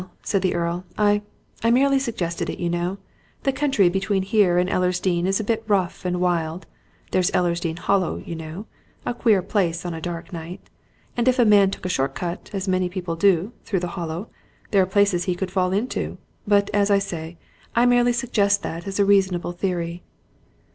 said the Earl, "I I merely suggest it, you know. The country between here and Ellersdeane is a bit rough and wild there's Ellersdeane Hollow, you know a queer place on a dark night. And if a man took a short cut as many people do through the Hollow, there are places he could fall into. But, as I say, I merely suggest that as a reasonable theory."